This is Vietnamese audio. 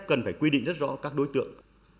cần phải quy định rất rõ các đối tượng